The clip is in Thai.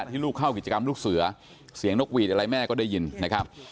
ที่ลูกเข้ากิจกรรมลูกเสือเสียงนกหวีดอะไรแม่ก็ได้ยินนะครับ